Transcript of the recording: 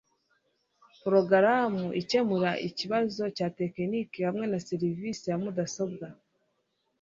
Porogaramu ikemura ikibazo cya tekiniki hamwe na seriveri ya mudasobwa.